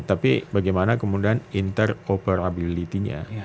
jadi bagaimana kemudian interoperabilitinya